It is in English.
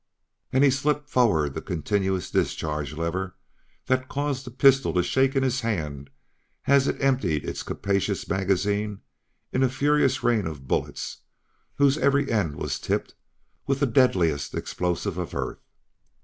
And he slipped forward the continuous discharge lever that caused the pistol to shake in his hand as it emptied its capacious magazine in a furious rain of bullets whose every end was tipped with the deadliest explosive of Earth.